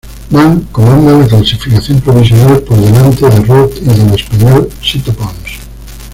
Mang comanda la clasificación provisional por delante de Roth y del español Sito Pons.